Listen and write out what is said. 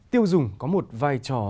tiêu dùng có một vai trò